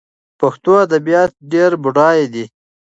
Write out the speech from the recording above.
پښتو ادبيات ډېر بډايه دي.